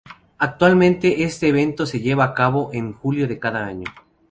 Actualmente este evento se lleva a cabo en julio de cada año.